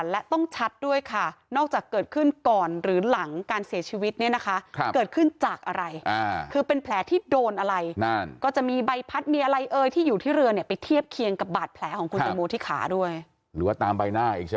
และต้องชัดด้วยค่ะเกิดขึ้นก่อนหรือหลังการเสียชีวิตขึ้นจากอะไรแผลดนอนอะไร